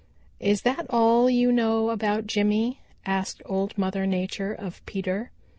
"Is that all you know about Jimmy?" asked Old Mother Nature of Peter.